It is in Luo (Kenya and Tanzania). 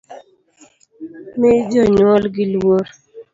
Mi jonywolgi luorr